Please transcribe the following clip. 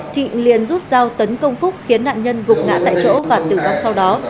thịnh liền rút dao tấn công phúc khiến nạn nhân gục ngã tại chỗ và tử vong sau đó